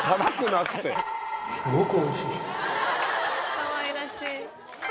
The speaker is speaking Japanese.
かわいらしい。